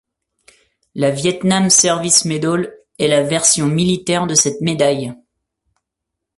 La Vietnam Service Medal est la version militaire de cette médaille.